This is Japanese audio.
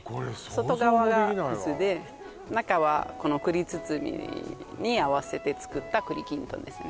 外側が葛で中はこの栗苞に合わせて作った栗きんとんですね